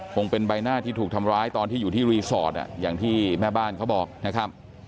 คงเป็นใบหน้าที่ถูกทำร้ายตอนที่อยู่ที่รีสอร์ทอย่างที่แม่บ้านเขาบอกนะครับ